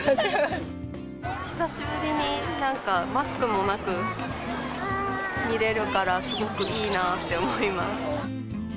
久しぶりになんかマスクもなく見れるからすごくいいなって思います。